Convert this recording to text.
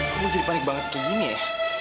kamu jadi panik banget begini ya